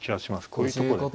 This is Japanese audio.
こういうとこで。